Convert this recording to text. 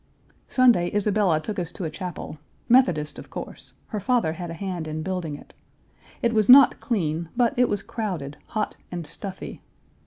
Sunday Isabella took us to a chapel, Methodist, of course; her father had a hand in building it. It was not clean, but it was crowded, hot, and stuffy.